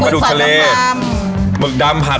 ถอบหนึ่งตั้ง๔๙บาท